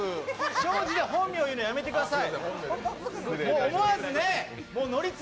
翔二で本名言うのやめてください。